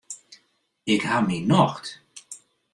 Ik ha myn nocht.